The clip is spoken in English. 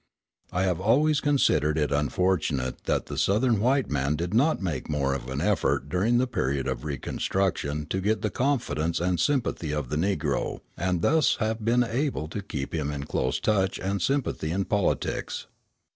I have always considered it unfortunate that the Southern white man did not make more of an effort during the period of reconstruction to get the confidence and sympathy of the Negro, and thus have been able to keep him in close touch and sympathy in politics.